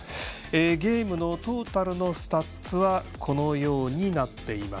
ゲームのトータルのスタッツはこのようになっています。